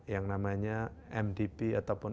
yang namanya mdp ataupun